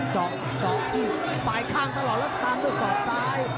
จ็อปายข้างตลอดแล้วแล้วตามด้วยรอยสอดซ้าย